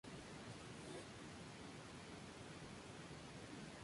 No valen las líneas creadas directamente al poner una ficha desde la mano.